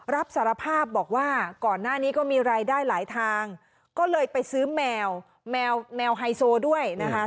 รับสารภาพบอกว่าก่อนหน้านี้ก็มีรายได้หลายทางก็เลยไปซื้อแมวแมวแมวไฮโซด้วยนะคะ